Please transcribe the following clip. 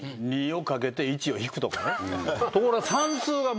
ところが。